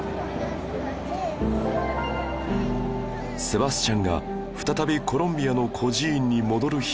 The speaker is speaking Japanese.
セバスチャンが再びコロンビアの孤児院に戻る日が訪れました